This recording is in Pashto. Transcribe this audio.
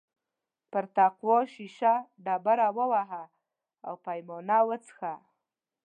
پر تقوا شیشه ډبره ووهه او پیمانه وڅښه.